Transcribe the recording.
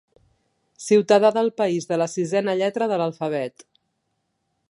Ciutadà del país de la sisena lletra de l'alfabet.